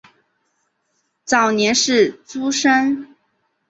早年是诸生。